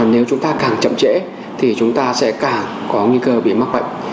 nếu chúng ta càng chậm trễ thì chúng ta sẽ càng có nguy cơ bị mắc bệnh